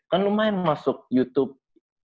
kan lumayan masuk youtube